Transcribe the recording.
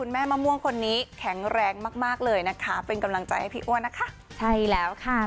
แม่มะม่วงคนนี้แข็งแรงมากมากเลยนะคะเป็นกำลังใจให้พี่อ้วนนะคะใช่แล้วค่ะ